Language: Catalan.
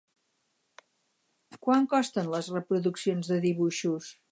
Quant costen les reproduccions de dibuixos?